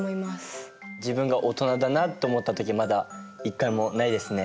自分がオトナだなと思った時まだ１回もないですね。